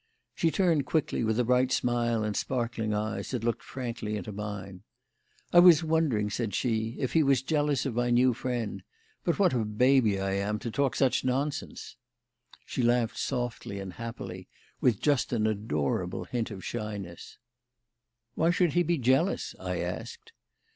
She turned quickly with a bright smile and sparkling eyes that looked frankly into mine. "I was wondering," said she, "if he was jealous of my new friend. But what a baby I am to talk such nonsense!" She laughed softly and happily with just an adorable hint of shyness. "Why should he be jealous?" I asked.